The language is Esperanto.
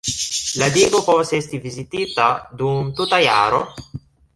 La digo povas esti vizitita dum tuta jaro.